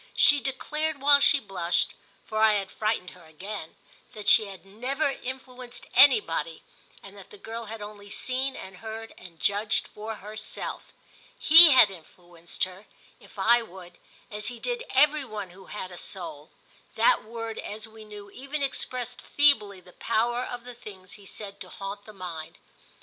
She declared while she blushed—for I had frightened her again—that she had never influenced anybody and that the girl had only seen and heard and judged for herself. He had influenced her, if I would, as he did every one who had a soul: that word, as we knew, even expressed feebly the power of the things he said to haunt the mind.